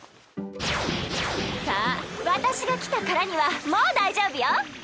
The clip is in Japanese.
さあ私が来たからにはもう大丈夫よ。